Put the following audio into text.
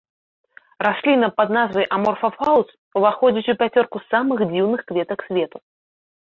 Расліна пад назвай аморфафалус уваходзіць у пяцёрку самых дзіўных кветак свету.